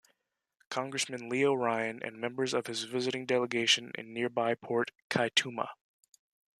Congressman Leo Ryan and members of his visiting delegation in nearby Port Kaituma.